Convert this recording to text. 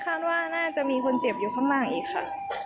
คาดว่าน่าจะมีคนเจ็บอยู่ข้างหน้าอีกค่ะ